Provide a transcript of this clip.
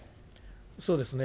そうですね。